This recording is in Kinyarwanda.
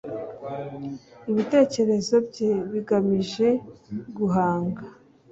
ibitekerezo bye bigamije guhanga